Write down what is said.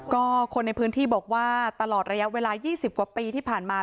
ก็คนในพื้นที่บอกว่าตลอดระยะเวลา๒๐กว่าปีที่ผ่านมา